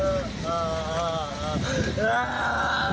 แม่มาช่วยดีกันแม่มาช่วยดีกัน